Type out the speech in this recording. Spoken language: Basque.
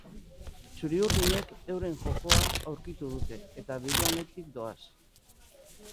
Txuri-urdinek euren jokoa aurkitu dute, eta bide honetik doaz.